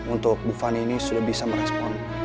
untuk ibu fani ini sudah bisa merespons